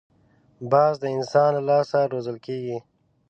باز د انسان له لاس روزل کېږي